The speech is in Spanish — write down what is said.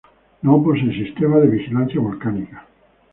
No posee sistemas de vigilancia volcánica.